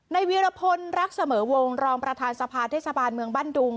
วีรพลรักเสมอวงรองประธานสภาเทศบาลเมืองบ้านดุง